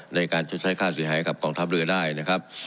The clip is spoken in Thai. ในการชดใช้ค่าเสียหายกับกองทัพเรือได้นะครับ